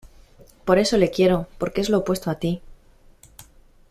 por eso le quiero, porque es lo opuesto a ti.